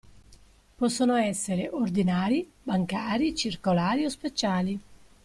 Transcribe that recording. Possono essere ordinari (bancari, circolari) o speciali.